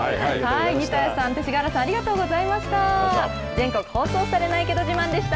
新田谷さん、勅使河原さん、ありがとうございました。